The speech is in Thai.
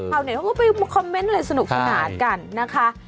เผ่าไหนเขาก็ไปคอมเมนต์อะไรสนุกขนาดกันนะคะ